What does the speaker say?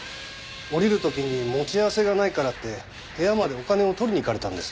降りる時に持ち合わせがないからって部屋までお金を取りに行かれたんです。